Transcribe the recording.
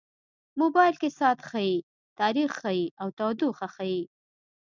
موبایل کې ساعت ښيي، تاریخ ښيي، او تودوخه ښيي.